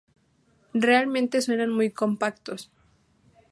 Realmente suenan muy compactos.